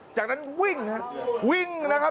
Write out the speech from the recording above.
จากนั้นวิ่งครับวิ่งนะครับ